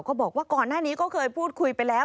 ก็บอกว่าก่อนหน้านี้ก็เคยพูดคุยไปแล้ว